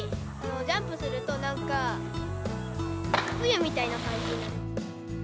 ジャンプするとなんか、冬みたいな感じになる。